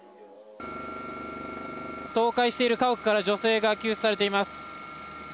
倒壊している家屋から女性が救出されています。